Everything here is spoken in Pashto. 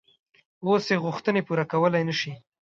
اوس یې غوښتنې پوره کولای نه شي.